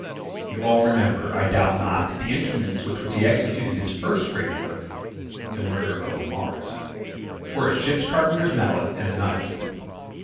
You all remember, I doubt not, that the instruments with which he executed his first great work, (the murder of the Marrs,) were a ship carpenter's mallet and a knife.